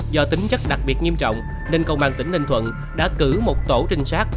do tính chất đặc biệt nghiêm trọng nên công an tỉnh ninh thuận đã cử một tổ trinh sát